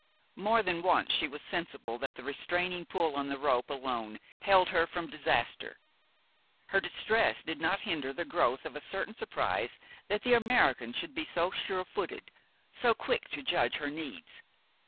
More than once she was sensible that the restraining pull on the rope alone held her from disaster. Her distress did not hinder the growth of a certain surprise that the American should be so sure footed, so quick to judge her needs.